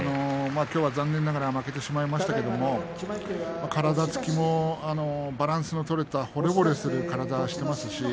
きょうは残念ながら負けしまいましたが体つき、バランスの取れたほれぼれとした体をしています。